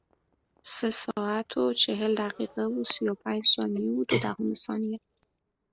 سه ساعت و چهل دقیقه و سی و پنج ثانیه و دو دهم ثانیه